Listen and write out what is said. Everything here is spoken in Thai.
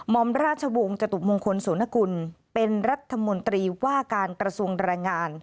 อมราชวงศ์จตุมงคลโสนกุลเป็นรัฐมนตรีว่าการกระทรวงแรงงาน